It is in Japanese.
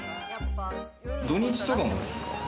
土日とかもですか？